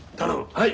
はい！